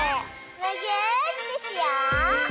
むぎゅーってしよう！